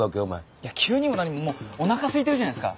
いや急にも何ももうおなかすいてるじゃないですか。